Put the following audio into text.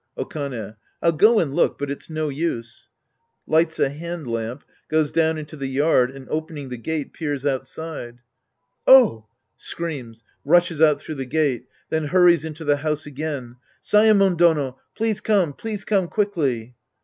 Okane. I'll go and look, but it's no use. {Lights a hand lamp, goes down into the yard and, opening the gate, peers outside.) Oh ! (Screams. Rushes out through the gate. Then hurries into the house again.) Saemon Dono ! Please come, please come quickly.